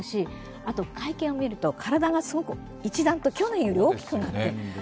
あと会見を見ると、体が一段と去年より大きくなって。